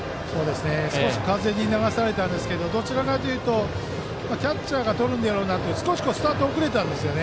少し風に流されたんですがどちらかというとキャッチャーがとるのではなく少しスタートが遅れましたね。